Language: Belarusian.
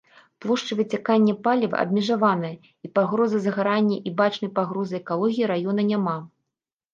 Плошча выцякання паліва абмежаваная, і пагрозы загарання і бачнай пагрозы экалогіі раёна няма.